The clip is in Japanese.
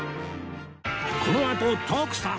このあと徳さん